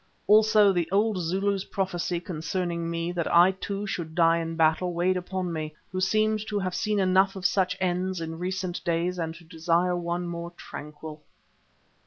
Also the old Zulu's prophecy concerning me, that I too should die in battle, weighed upon me, who seemed to have seen enough of such ends in recent days and to desire one more tranquil.